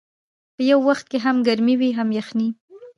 په یو وخت کې هم ګرمي وي هم یخني.